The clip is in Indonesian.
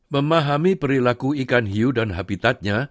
memahami perilaku ikan hiu dan habitatnya